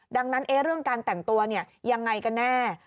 ดังนั้นเรื่องการแต่งตัวยังไงกันแน่